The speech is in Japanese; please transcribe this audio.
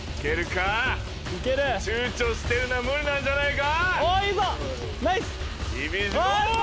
ちゅうちょしてたら無理なんじゃないか。